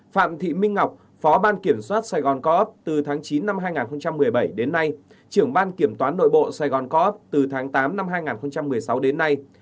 phạm thị minh ngọc phó ban kiểm soát sài gòn co op từ tháng chín năm hai nghìn một mươi bảy đến nay trưởng ban kiểm toán nội bộ sài gòn co op từ tháng tám năm hai nghìn một mươi sáu đến nay